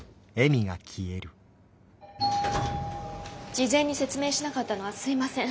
事前に説明しなかったのはすいません。